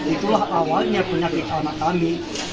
itulah awalnya penyakit anak kami